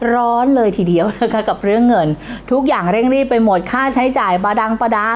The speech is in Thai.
ร้อนเลยทีเดียวนะคะกับเรื่องเงินทุกอย่างเร่งรีบไปหมดค่าใช้จ่ายประดังประดา